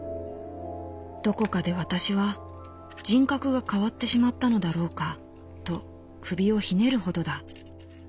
どこかで私は人格が変わってしまったのだろうかと首をひねるほどだ」。